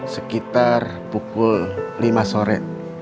sekitar pukul lima sore